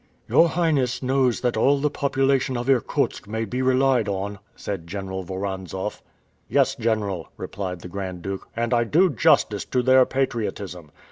"Your Highness knows that all the population of Irkutsk may be relied on," said General Voranzoff. "Yes, general," replied the Grand Duke, "and I do justice to their patriotism.